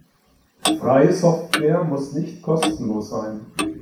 Freie Software muss nicht kostenlos sein.